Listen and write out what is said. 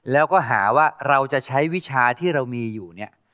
แล้วก็หาว่าเราจะใช้วิชาที่เรามีอยู่เนี่ย